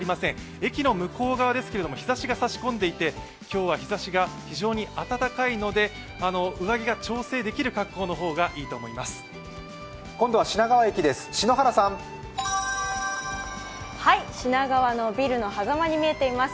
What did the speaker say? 駅の向こう側ですけれども、日ざしが差し込んでいて、今日は日ざしがとても暖かいので上着が調整できる格好の方がいいと思います。